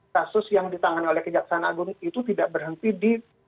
kasus yang ditangani oleh kejaksaan agung itu tidak berhenti di